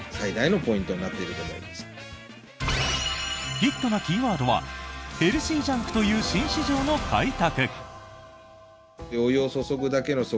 ヒットなキーワードはヘルシージャンクという新市場の開拓。